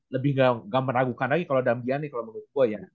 lebih gak meragukan lagi kalau dem diagne kalau menurut gue ya